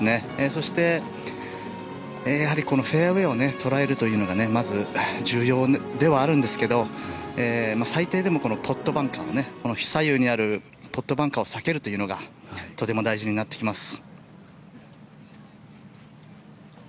そして、やはりフェアウェーを捉えるというのがまず重要ではあるんですけど最低でもポットバンカー左右にあるポットバンカーを避けるというのがとても大事になってきます。